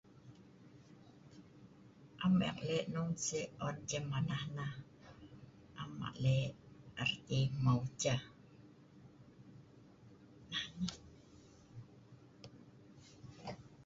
am'eek lek' non si an' cehh manah nah'.